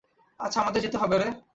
আচ্ছা আমাদের যেতে হবে রে।